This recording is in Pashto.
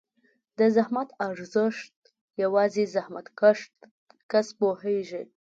د زحمت ارزښت یوازې زحمتکښ کس پوهېږي.